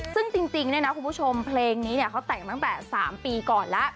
ซึ่งจริงเนี่ยนะคุณผู้ชมเพลงนี้เขาแต่งตั้งแต่๓ปีก่อนแล้ว